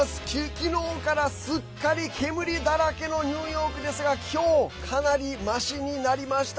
昨日から、すっかり煙だらけのニューヨークですが今日かなり、ましになりました。